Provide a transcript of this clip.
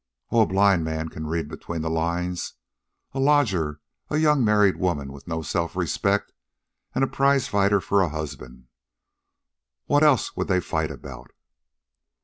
"Oh, a blind man can read between the lines. A lodger, a young married woman with no self respect, an' a prizefighter for a husband what else would they fight about?"